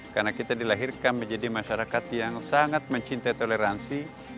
karena kita dilahirkan menjadi masyarakat yang sangat mencintai toleransi